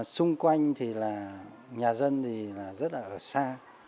xung quanh thì là nhà dân thì rất là ở xa